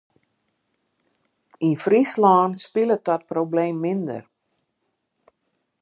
Yn Fryslân spilet dat probleem minder.